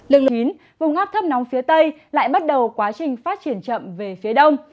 lực lượng chín vùng ngắp thấp nóng phía tây lại bắt đầu quá trình phát triển chậm về phía đông